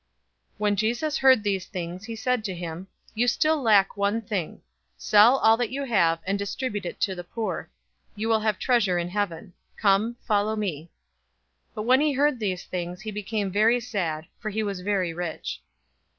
018:022 When Jesus heard these things, he said to him, "You still lack one thing. Sell all that you have, and distribute it to the poor. You will have treasure in heaven. Come, follow me." 018:023 But when he heard these things, he became very sad, for he was very rich.